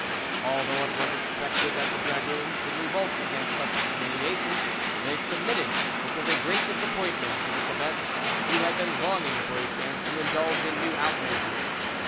Although it was expected that the dragoons would revolt against such a humiliation, they submitted, which was a great disappointment to the cebets, who had been longing for a chance to indulge in new outrages.